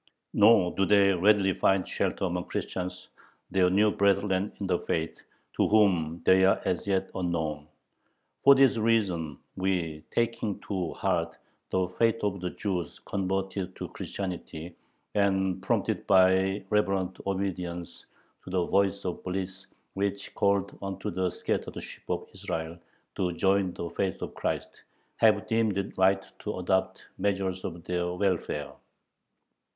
Nor do they readily find shelter among Christians, their new brethren in the faith, to whom they are as yet unknown.... For this reason we, taking to heart the fate of the Jews converted to Christianity, and prompted by reverent obedience to the Voice of Bliss which calleth unto the scattered sheep of Israel to join the faith of Christ, have deemed it right to adopt measures for their welfare.